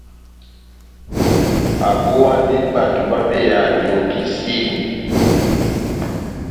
Abówandi bato babeyahani ó kisini.